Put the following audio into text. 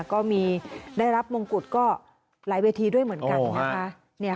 ก็มีได้รับมงกุฎก็หลายเวทีด้วยเหมือนกันนะคะ